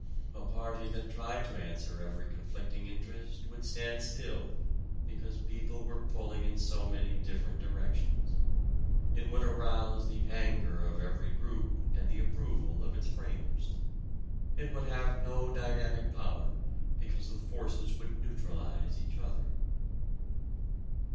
A party that tried to answer every conflicting interest would stand still because people were pulling in so many different directions. It would arouse the anger of every group and the approval of its framers. It would have no dynamic power because the forces would neutralize each other.